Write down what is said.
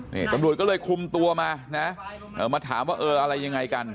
นี่ตำรวจก็เลยคุมตัวมานะมาถามว่าเอออะไรยังไงกัน